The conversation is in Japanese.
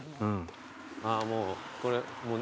あっもうこれもね。